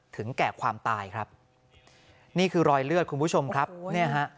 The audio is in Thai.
ถึงแก่ความตายครับนี่คือรอยเลือดคุณผู้ชมครับเนี่ยฮะ